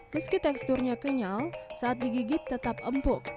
meski teksturnya kenyal saat digigit tetap empuk